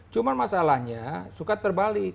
cuma masalahnya suka terbalik